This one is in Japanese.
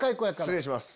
失礼します。